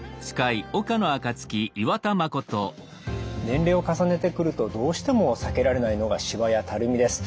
年齢を重ねてくるとどうしても避けられないのがしわやたるみです。